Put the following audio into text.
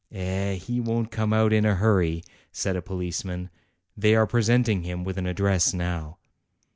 "Eh, he won't come out in a hurry," said a police man; "they are presenting him with an address now."